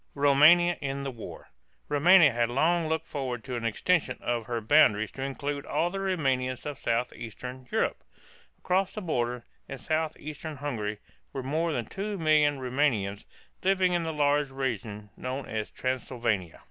ROUMANIA IN THE WAR. Roumania had long looked forward to an extension of her boundaries to include all the Roumanians of southeastern Europe. Across the border, in southeastern Hungary, were more than two million Roumanians living in the large region known as Transylvania.